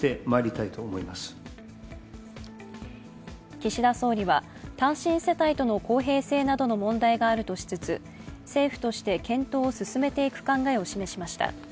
岸田総理は単身世帯との公平性などの問題があるとしつつ政府として検討を進めていく考えを示しました。